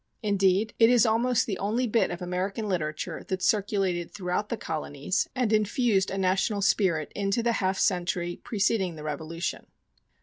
Indeed, it is almost the only bit of American literature that circulated throughout the Colonies and infused a national spirit into the half century preceding the Revolution.